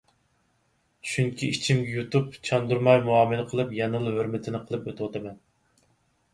چۈنكى ئىچىمگە يۇتۇپ، چاندۇرماي مۇئامىلە قىلىپ، يەنىلا ھۆرمىتىنى قىلىپ ئۆتۈۋاتىمەن.